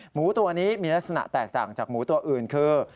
หมูตัวนี้มีลักษณะแตกต่างจากหมูตัวอื่นคือ